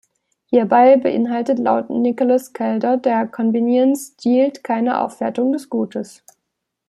Hierbei beinhaltet laut Nicholas Kaldor der Convenience Yield keine Aufwertung des Gutes.